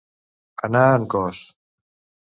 Anar en cos.